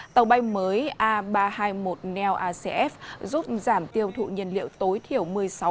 tàu bay mới a ba trăm hai mươi một nlacf giúp giảm tiêu thụ nhiên liệu tối thiểu một mươi sáu